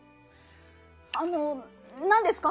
あのなんですか？